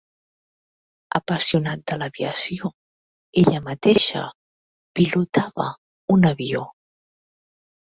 Apassionat de l'aviació, ella mateixa pilotava un avió.